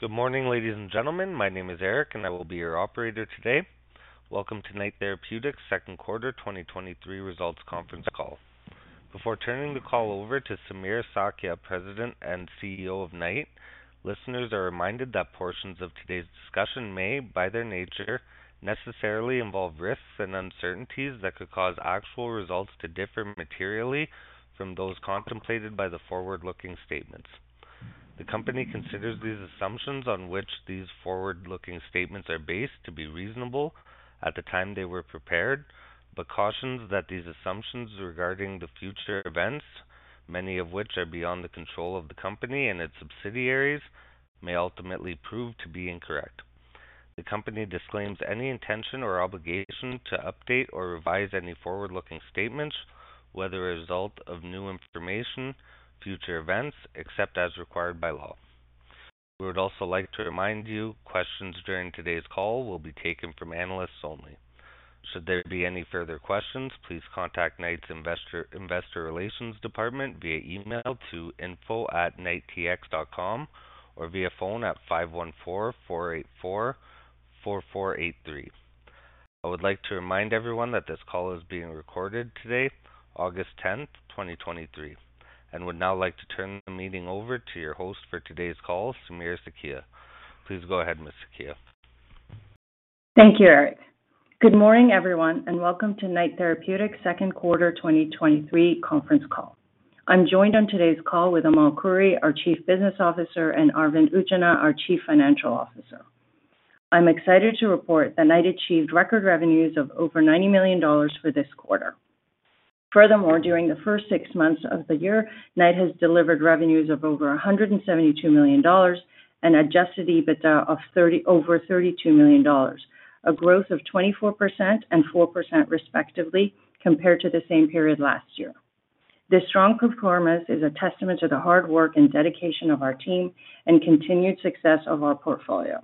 Good morning, ladies and gentlemen. My name is Eric. I will be your operator today. Welcome to Knight Therapeutics' second quarter 2023 results conference call. Before turning the call over to Samira Sakhia, President and CEO of Knight, listeners are reminded that portions of today's discussion may, by their nature, necessarily involve risks and uncertainties that could cause actual results to differ materially from those contemplated by the forward-looking statements. The company considers these assumptions on which these forward-looking statements are based to be reasonable at the time they were prepared. Cautions that these assumptions regarding the future events, many of which are beyond the control of the company and its subsidiaries, may ultimately prove to be incorrect. The company disclaims any intention or obligation to update or revise any forward-looking statements, whether a result of new information, future events, except as required by law. We would also like to remind you, questions during today's call will be taken from analysts only. Should there be any further questions, please contact Knight's Investor Relations Department via email to info@knighttx.com, or via phone at 514-484-4483. I would like to remind everyone that this call is being recorded today, August 10th, 2023, and would now like to turn the meeting over to your host for today's call, Samira Sakhia. Please go ahead, Samira Sakhia. Thank you, Eric. Good morning, everyone, and welcome to Knight Therapeutics second quarter 2023 conference call. I'm joined on today's call with Amal Khoury, our Chief Business Officer, and Arvind Utchanah, our Chief Financial Officer. I'm excited to report that Knight achieved record revenues of over $90 million for this quarter. During the first six months of the year, Knight has delivered revenues of over $172 million and adjusted EBITDA of over $32 million, a growth of 24% and 4%, respectively, compared to the same period last year. This strong performance is a testament to the hard work and dedication of our team and continued success of our portfolio.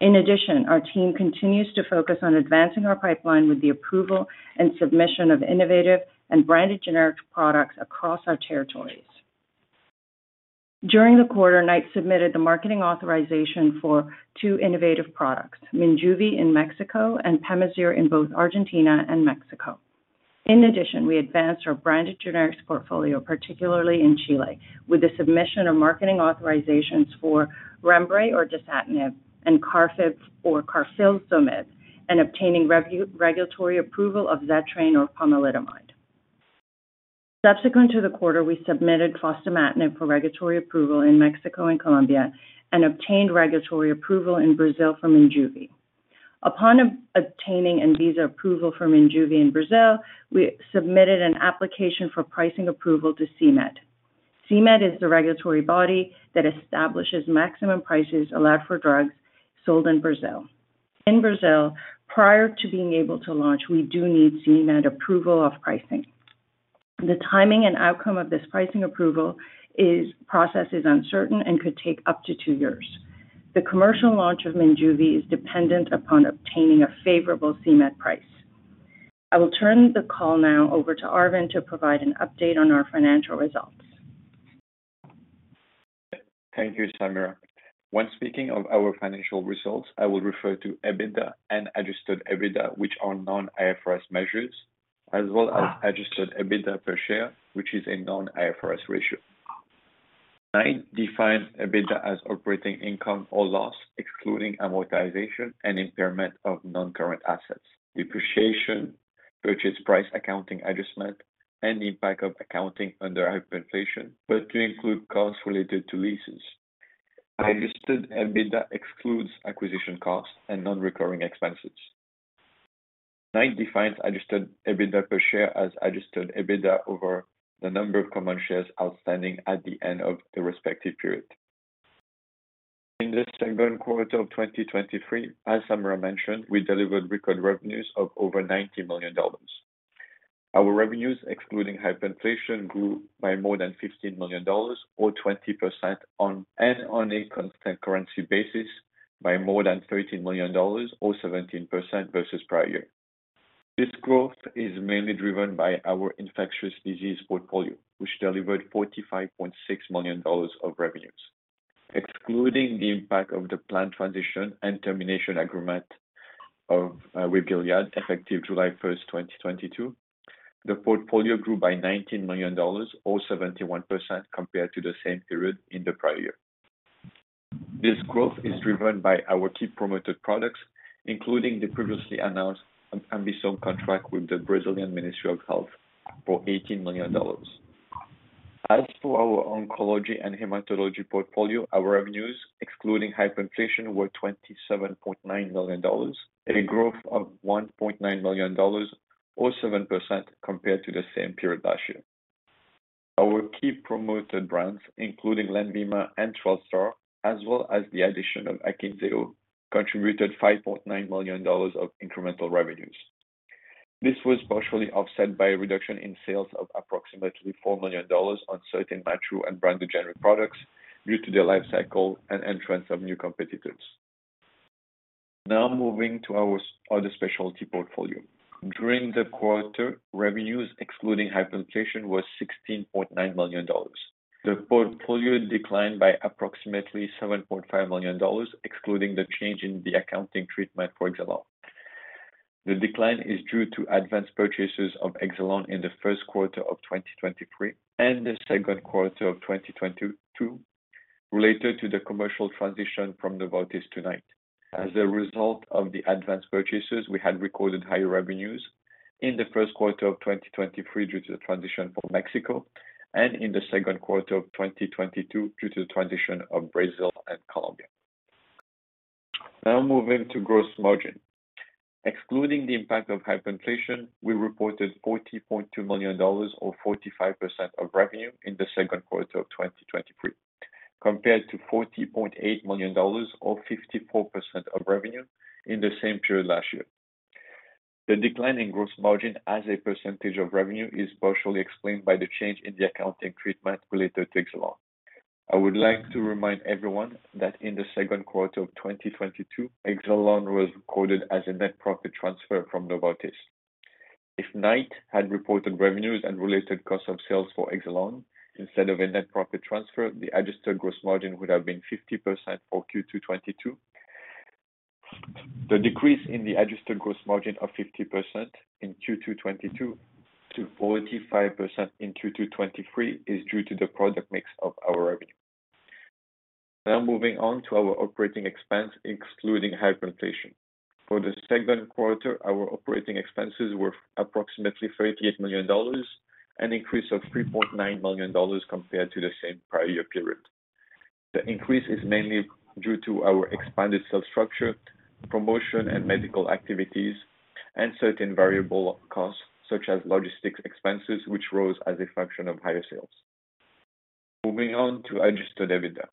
Our team continues to focus on advancing our pipeline with the approval and submission of innovative and branded generic products across our territories. During the quarter, Knight submitted the marketing authorization for two innovative products, Menjuvi in Mexico and Pemazyre in both Argentina and Mexico. In addition, we advanced our branded generics portfolio, particularly in Chile, with the submission of marketing authorizations for Rembre or Dasatinib, and Karfib or Carfilzomib, and obtaining regulatory approval of Xetrane or Pomalidomide. Subsequent to the quarter, we submitted Fostamatinib for regulatory approval in Mexico and Colombia, and obtained regulatory approval in Brazil for Menjuvi. Upon obtaining Anvisa approval for Menjuvi in Brazil, we submitted an application for pricing approval to CMED. CMED is the regulatory body that establishes maximum prices allowed for drugs sold in Brazil. In Brazil, prior to being able to launch, we do need CMED approval of pricing. The timing and outcome of this pricing approval process is uncertain and could take up to two years. The commercial launch of Menjuvi is dependent upon obtaining a favorable CMED price. I will turn the call now over to Arvind to provide an update on our financial results. Thank you, Samira. When speaking of our financial results, I will refer to EBITDA and adjusted EBITDA, which are non-IFRS measures, as well as adjusted EBITDA per share, which is a non-IFRS ratio. I define EBITDA as operating income or loss, excluding amortization and impairment of non-current assets, depreciation, purchase, price, accounting, adjustment, and the impact of accounting under hyperinflation, but to include costs related to leases. Adjusted EBITDA excludes acquisition costs and non-recurring expenses. Knight defines adjusted EBITDA per share as adjusted EBITDA over the number of common shares outstanding at the end of the respective period. In the second quarter of 2023, as Samira mentioned, we delivered record revenues of over $90 million. Our revenues, excluding hyperinflation, grew by more than $15 million or 20% and on a constant currency basis by more than $13 million or 17% versus prior year. This growth is mainly driven by our infectious disease portfolio, which delivered $45.6 million of revenues. Excluding the impact of the planned transition and termination agreement of Gilead, effective July 1st, 2022, the portfolio grew by $19 million or 71% compared to the same period in the prior year. This growth is driven by our key promoted products, including the previously announced Ambisome contract with the Brazilian Ministry of Health for $18 million. As for our oncology and hematology portfolio, our revenues, excluding hyperinflation, were $27.9 million, a growth of $1.9 million or 7% compared to the same period last year. Our key promoted brands, including Lenvima and Trelstar, as well as the addition of Akynzeo, contributed $5.9 million of incremental revenues. This was partially offset by a reduction in sales of approximately $4 million on certain natural and branded generic products due to their life cycle and entrance of new competitors. Now moving to our other specialty portfolio. During the quarter, revenues excluding hyperinflation was $16.9 million. The portfolio declined by approximately $7.5 million, excluding the change in the accounting treatment for Exelon. The decline is due to advanced purchases of Exelon in the first quarter of 2023 and the second quarter of 2022, related to the commercial transition from Novartis to Knight. As a result of the advanced purchases, we had recorded higher revenues in the first quarter of 2023, due to the transition for Mexico, and in the second quarter of 2022, due to the transition of Brazil and Colombia. Now moving to gross margin. Excluding the impact of hyperinflation, we reported $40.2 million or 45% of revenue in the second quarter of 2023, compared to $40.8 million or 54% of revenue in the same period last year. The decline in gross margin as a percentage of revenue is partially explained by the change in the accounting treatment related to Exelon. I would like to remind everyone that in the second quarter of 2022, Exelon was recorded as a net profit transfer from Novartis. If Knight had reported revenues and related cost of sales for Exelon instead of a net profit transfer, the adjusted gross margin would have been 50% for Q2 2022. The decrease in the adjusted gross margin of 50% in Q2 2022 to 45% in Q2 2023 is due to the product mix of our revenue. Moving on to our operating expense, excluding hyperinflation. For the second quarter, our operating expenses were approximately $38 million, an increase of $3.9 million compared to the same prior year period. The increase is mainly due to our expanded sales structure, promotion and medical activities, and certain variable costs, such as logistics expenses, which rose as a function of higher sales. Moving on to adjusted EBITDA.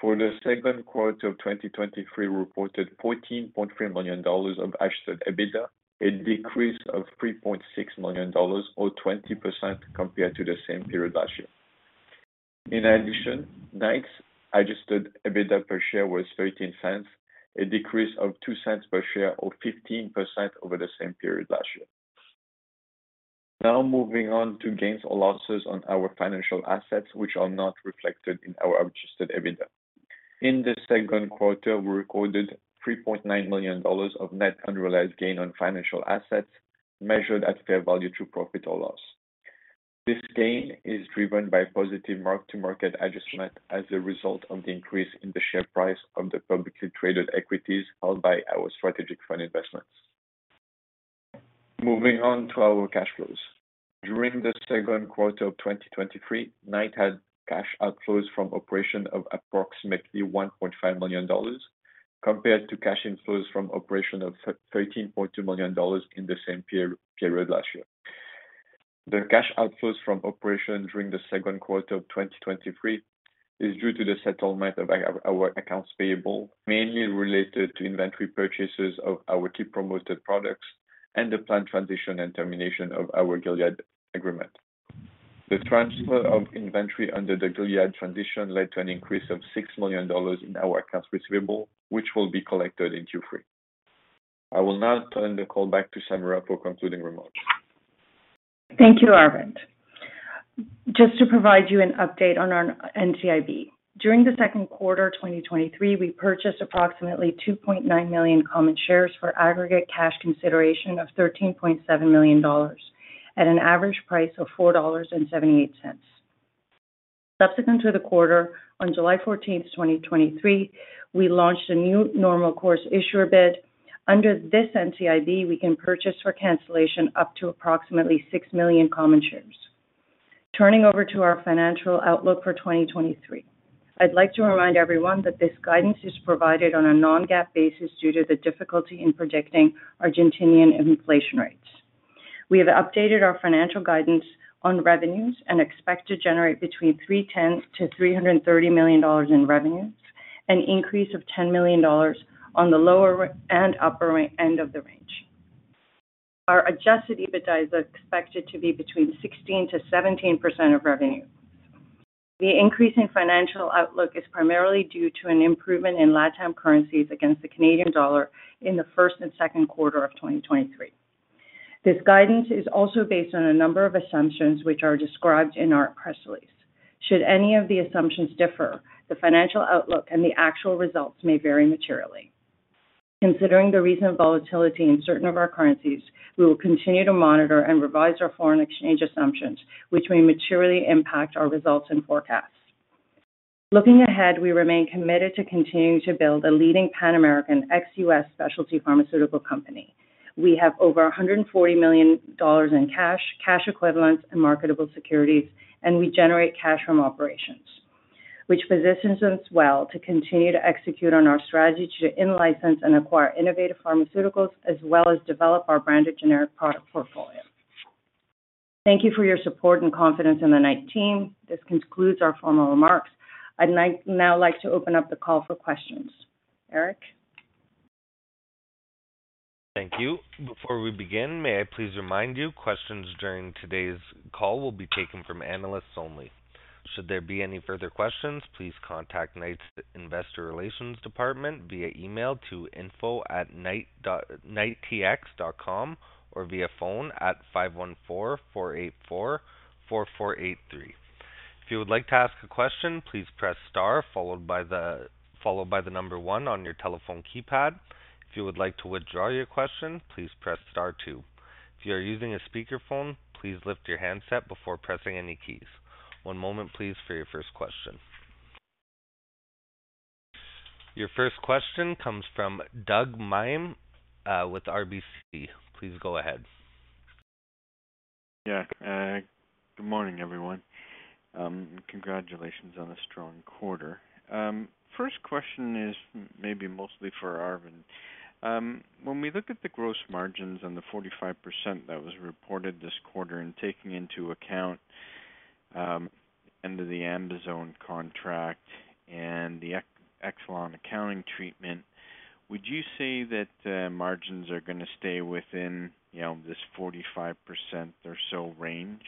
For the second quarter of 2023, we reported $14.3 million of adjusted EBITDA, a decrease of $3.6 million or 20% compared to the same period last year. Knight's adjusted EBITDA per share was $0.13, a decrease of $0.02 per share, or 15% over the same period last year. Moving on to gains or losses on our financial assets, which are not reflected in our adjusted EBITDA. In the second quarter, we recorded $3.9 million of net unrealized gain on financial assets, measured at fair value through profit or loss. This gain is driven by positive mark-to-market adjustment as a result of the increase in the share price of the publicly traded equities held by our strategic fund investments. Moving on to our cash flows. During the second quarter of 2023, Knight had cash outflows from operation of approximately $1.5 million, compared to cash inflows from operation of $13.2 million in the same period last year. The cash outflows from operation during the second quarter of 2023 is due to the settlement of our accounts payable, mainly related to inventory purchases of our key promoted products and the planned transition and termination of our Gilead agreement. The transfer of inventory under the Gilead transition led to an increase of $6 million in our accounts receivable, which will be collected in Q3. I will now turn the call back to Samira for concluding remarks. Thank you, Arvind. Just to provide you an update on our NCIB. During the second quarter of 2023, we purchased approximately 2.9 million common shares for aggregate cash consideration of $13.7 million, at an average price of $4.78. Subsequent to the quarter, on July 14th, 2023, we launched a new Normal Course Issuer Bid. Under this NCIB, we can purchase for cancellation up to approximately 6 million common shares. Turning over to our financial outlook for 2023. I'd like to remind everyone that this guidance is provided on a non-GAAP basis due to the difficulty in predicting Argentinian inflation rates. We have updated our financial guidance on revenues and expect to generate between 310 million-330 million dollars in revenues, an increase of 10 million dollars on the lower and upper end of the range. Our adjusted EBITDA is expected to be between 16%-17% of revenue. The increase in financial outlook is primarily due to an improvement in LatAm currencies against the Canadian dollar in the first and second quarter of 2023. This guidance is also based on a number of assumptions which are described in our press release. Should any of the assumptions differ, the financial outlook and the actual results may vary materially. Considering the recent volatility in certain of our currencies, we will continue to monitor and revise our foreign exchange assumptions, which may materially impact our results and forecasts. Looking ahead, we remain committed to continuing to build a leading Pan-American ex-US specialty pharmaceutical company. We have over $140 million in cash, cash equivalents, and marketable securities, and we generate cash from operations, which positions us well to continue to execute on our strategy to in-license and acquire innovative pharmaceuticals, as well as develop our branded generic product portfolio. Thank you for your support and confidence in the Knight team. This concludes our formal remarks. I'd like now to open up the call for questions. Eric? Thank you. Before we begin, may I please remind you, questions during today's call will be taken from analysts only. Should there be any further questions, please contact Knight Therapeutics' Investor Relations Department via email to info@knighttx.com, or via phone at 514-484-4483. If you would like to ask a question, please press star followed by the number one on your telephone keypad. If you would like to withdraw your question, please press star two. If you are using a speakerphone, please lift your handset before pressing any keys. One moment, please, for your first question. Your first question comes from Douglas Miehm with RBC. Please go ahead. Yeah, good morning, everyone. Congratulations on a strong quarter. First question is maybe mostly for Arvind. When we look at the gross margins and the 45% that was reported this quarter, and taking into account, under the Endozone contract and the Exelon accounting treatment, would you say that margins are going to stay within, you know, this 45% or so range?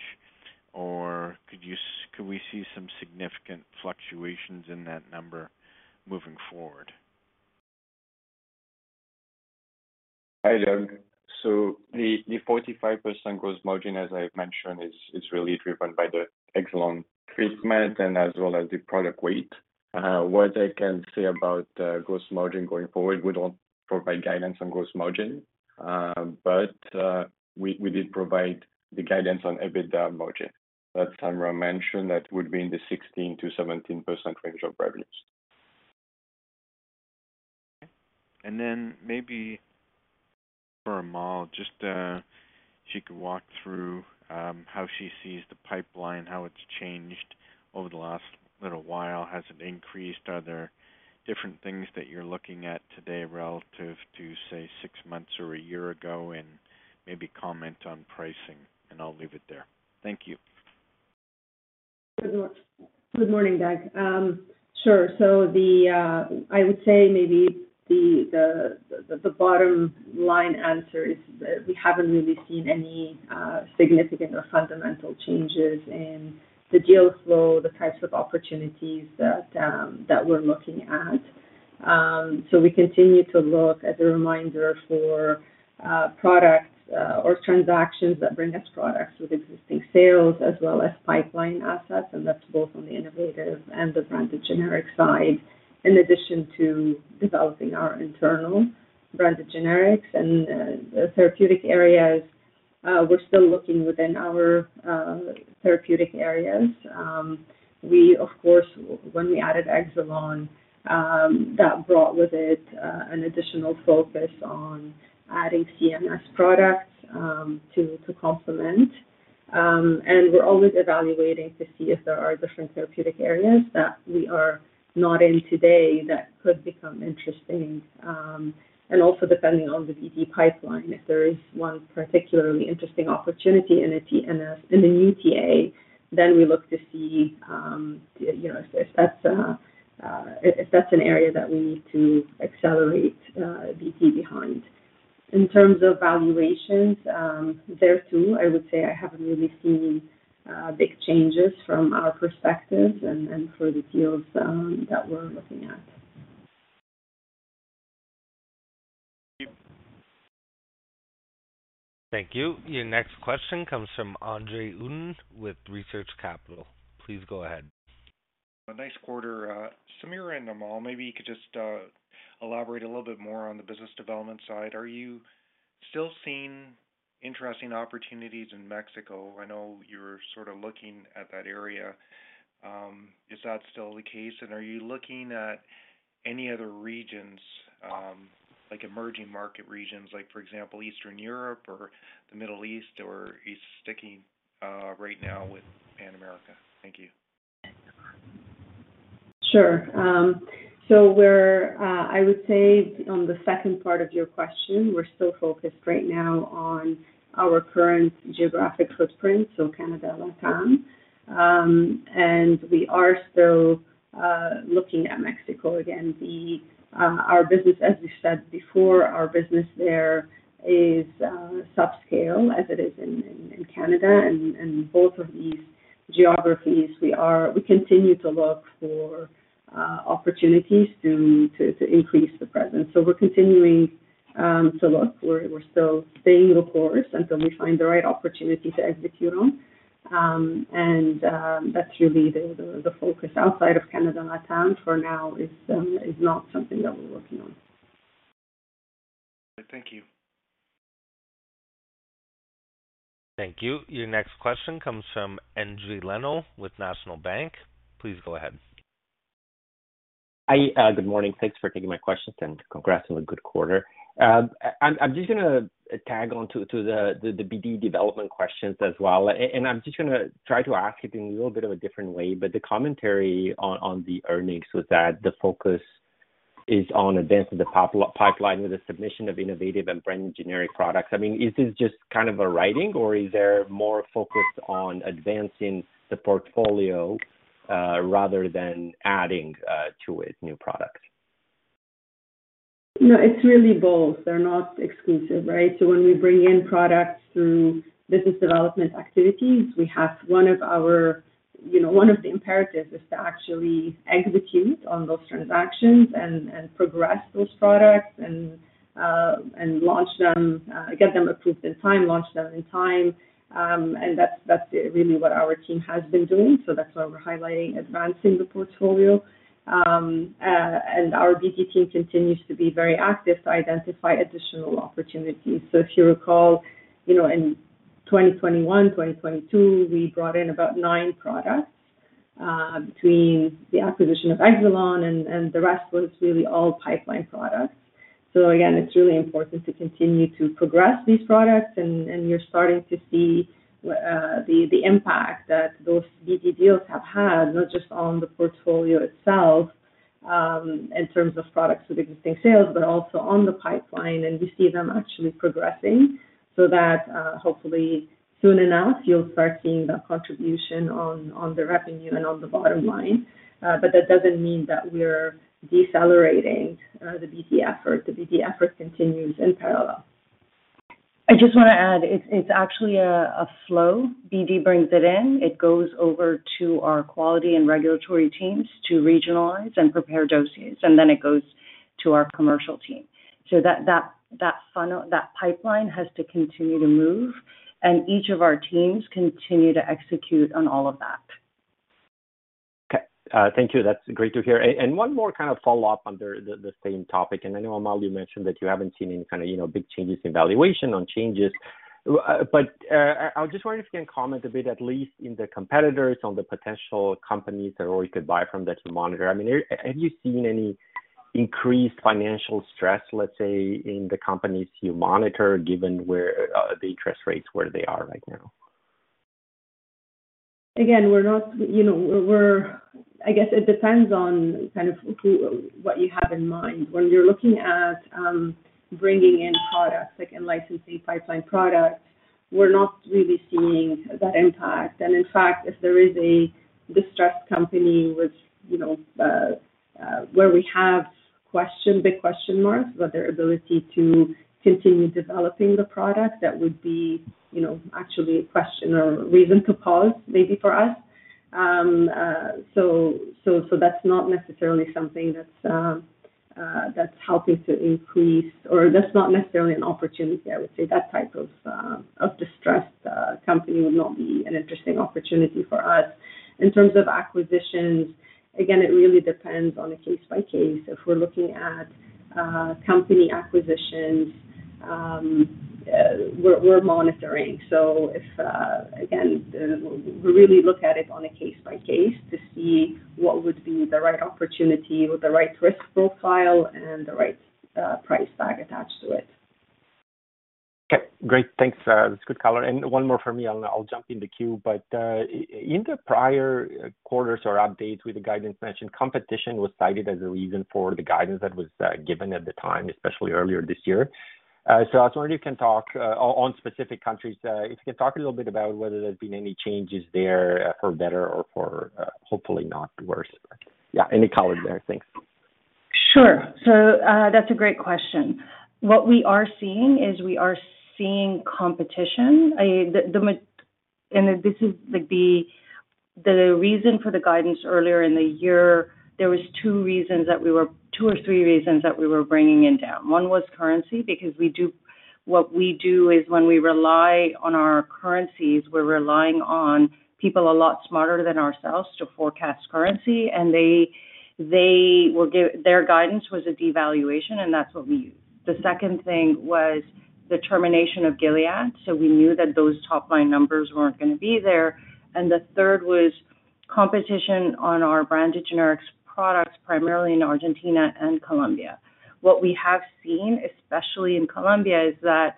Or could we see some significant fluctuations in that number moving forward? Hi, Doug. The, the 45% gross margin, as I've mentioned, is, is really driven by the Exelon treatment and as well as the product weight. What I can say about gross margin going forward, we don't provide guidance on gross margin. We, we did provide the guidance on EBITDA margin. As Tamara mentioned, that would be in the 16%-17% range of revenues. Maybe for Amal, just, she could walk through how she sees the pipeline, how it's changed over the last little while. Has it increased? Are there different things that you're looking at today relative to, say, six months or a year ago? Maybe comment on pricing, and I'll leave it there. Thank you. Good morning, Doug. Sure. The, I would say maybe the, the, the bottom line answer is that we haven't really seen any significant or fundamental changes in the deal flow, the types of opportunities that we're looking at. We continue to look as a reminder for products or transactions that bring us products with existing sales as well as pipeline assets, and that's both on the innovative and the branded generic side. In addition to developing our internal branded generics and therapeutic areas, we're still looking within our therapeutic areas. We, of course, when we added Exelon, that brought with it an additional focus on adding CMS products to, to complement. We're always evaluating to see if there are different therapeutic areas that we are not in today that could become interesting, and also depending on the BD pipeline, if there is one particularly interesting opportunity in a TNS, in a UTA, then we look to see, you know, if that's if that's an area that we need to accelerate BD behind. In terms of valuations, there, too, I would say I haven't really seen big changes from our perspective and for the deals that we're looking at. Thank you. Thank you. Your next question comes from Andre Uddin with Research Capital. Please go ahead. A nice quarter, Samir and Amal, maybe you could just elaborate a little bit more on the business development side. Are you still seeing interesting opportunities in Mexico? I know you're sort of looking at that area. Is that still the case? Are you looking at any other regions, like emerging market regions, like, for example, Eastern Europe or the Middle East, or are you sticking right now with Pan America? Thank you. Sure. We're, I would say on the second part of your question, we're still focused right now on our current geographic footprint, so Canada, Latin. We are still looking at Mexico again. Our business, as we said before, our business there is subscale, as it is in, in Canada, and, and both of these geographies, we continue to look for opportunities to increase the presence. We're continuing to look. We're, we're still staying the course until we find the right opportunity to execute on. That's really the, the, the focus outside of Canada and Latin for now is is not something that we're working on. Thank you. Thank you. Your next question comes from Endri Leno with National Bank. Please go ahead. Hi, good morning. Thanks for taking my questions, and congrats on a good quarter. I'm just gonna tag on to the BD development questions as well. I'm just gonna try to ask it in a little bit of a different way, but the commentary on the earnings was that the focus is on advancing the pipeline with the submission of innovative and brand generic products. I mean, is this just kind of a writing, or is there more focus on advancing the portfolio, rather than adding to it new products? No, it's really both. They're not exclusive, right? When we bring in products through business development activities, we have one of our, you know, one of the imperatives is to actually execute on those transactions and, and progress those products and launch them, get them approved in time, launch them in time. That's, that's really what our team has been doing. That's why we're highlighting advancing the portfolio. Our BD team continues to be very active to identify additional opportunities. If you recall, you know, in 2021, 2022, we brought in about nine products between the acquisition of Exelon and, and the rest was really all pipeline products. Again, it's really important to continue to progress these products, and you're starting to see the impact that those BD deals have had, not just on the portfolio itself, in terms of products with existing sales, but also on the pipeline. We see them actually progressing so that, hopefully soon enough, you'll start seeing that contribution on, on the revenue and on the bottom line. That doesn't mean that we're decelerating the BD effort. The BD effort continues in parallel. I just want to add, it's actually a flow. BD brings it in, it goes over to our quality and regulatory teams to regionalize and prepare doses, and then it goes to our commercial team. That funnel, that pipeline has to continue to move, and each of our teams continue to execute on all of that. Okay, thank you. That's great to hear. One more kind of follow-up under the same topic, and I know, Amal, you mentioned that you haven't seen any kind of, you know, big changes in valuation on changes. I was just wondering if you can comment a bit, at least in the competitors, on the potential companies that or you could buy from that you monitor. I mean, have you seen any increased financial stress, let's say, in the companies you monitor, given where the interest rates, where they are right now? Again, we're not you know, we're, we're I guess it depends on kind of who, what you have in mind. When you're looking at bringing in products, like in licensing pipeline products, we're not really seeing that impact. In fact, if there is a distressed company, which, you know, where we have question, big question marks about their ability to continue developing the product, that would be, you know, actually a question or reason to pause, maybe for us. So, so, so that's not necessarily something that's that's helping to increase or that's not necessarily an opportunity, I would say. That type of of distressed company would not be an interesting opportunity for us. In terms of acquisitions, again, it really depends on a case by case. If we're looking at company acquisitions, we're, we're monitoring. If, again, we really look at it on a case by case to see what would be the right opportunity with the right risk profile and the right price tag attached to it. Okay, great. Thanks. That's good color. One more for me, I'll, I'll jump in the queue. In the prior quarters or updates with the guidance mentioned, competition was cited as a reason for the guidance that was given at the time, especially earlier this year. I was wondering if you can talk on, on specific countries, if you can talk a little bit about whether there's been any changes there for better or for, hopefully not worse. Yeah, any comment there? Thanks. Sure. That's a great question. What we are seeing is we are seeing competition. I, the, the most... This is like the, the reason for the guidance earlier in the year, there was one reasons that we were-- two or three reasons that we were bringing in down. One was currency, because we do -- what we do is when we rely on our currencies, we're relying on people a lot smarter than ourselves to forecast currency, and they, they will give-- their guidance was a devaluation, and that's what we used. The second thing was the termination of Gilead, so we knew that those top-line numbers weren't going to be there. The third was competition on our branded generics products, primarily in Argentina and Colombia. What we have seen, especially in Colombia, is that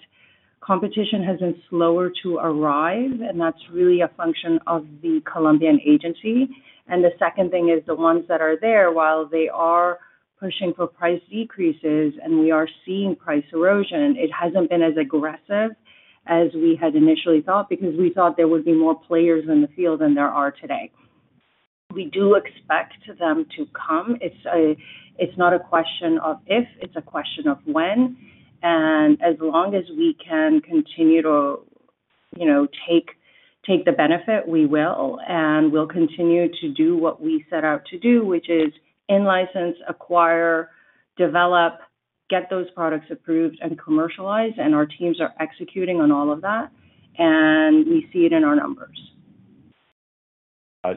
competition has been slower to arrive, that's really a function of the Colombian agency. The second thing is the ones that are there, while they are pushing for price decreases and we are seeing price erosion, it hasn't been as aggressive as we had initially thought, because we thought there would be more players in the field than there are today. We do expect them to come. It's not a question of if, it's a question of when. As long as we can continue to, you know, take, take the benefit, we will, and we'll continue to do what we set out to do, which is in license, acquire, develop, get those products approved and commercialized, our teams are executing on all of that, and we see it in our numbers.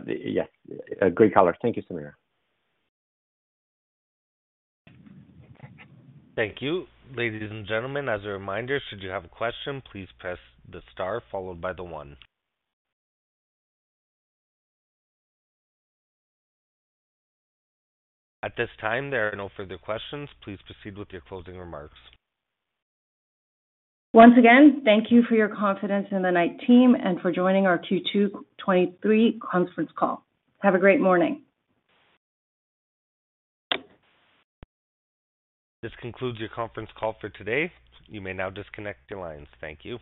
Yes, a great color. Thank you, Samira. Thank you. Ladies and gentlemen, as a reminder, should you have a question, please press the star followed by the one. At this time, there are no further questions. Please proceed with your closing remarks. Once again, thank you for your confidence in the Knight team and for joining our Q2 2023 conference call. Have a great morning. This concludes your conference call for today. You may now disconnect your lines. Thank you.